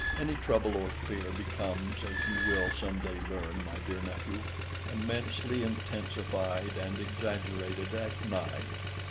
Any trouble or fear becomes, as you will some day learn, my dear nephew, immensely intensified and exaggerated at night.